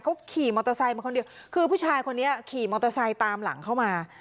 เขาขี่มอเตอร์ไซค์มาคนเดียวคือผู้ชายคนนี้ขี่มอเตอร์ไซค์ตามหลังเข้ามา